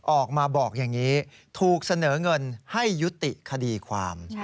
ออกมาบอกอย่างนี้ถูกเสนอเงินให้ยุติคดีความ